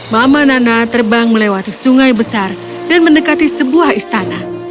mama nana terbang melewati sungai besar dan mendekati sebuah istana